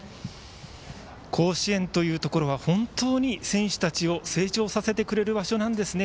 甲子園というところは本当に選手たちを成長させてくれる場所なんですね。